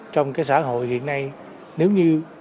trong cái xã hội hiện nay nếu như